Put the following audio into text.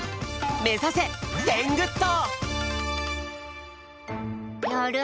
めざせテングッド！